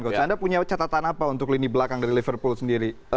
coach anda punya catatan apa untuk lini belakang dari liverpool sendiri